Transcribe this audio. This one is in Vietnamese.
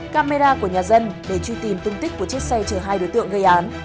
camera của nhà dân để truy tìm tung tích của chiếc xe chở hai đối tượng gây án